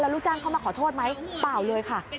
ลูกจ้างเข้ามาขอโทษไหมเปล่าเลยค่ะ